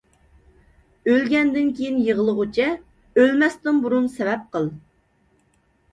ئۆلگەندىن كىيىن يىغلىغۇچە، ئۆلمەستىن بۇرۇن سەۋەب قىل.